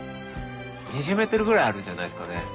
２０ｍぐらいあるんじゃないっすかね。